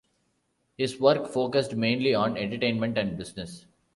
His work focused mainly on entertainment and business.